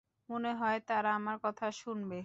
মনে হয় তারা আমার কথা শুনবে।